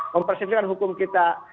mempersepsikan hukum kita